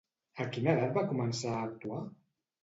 A quina edat va començar a actuar?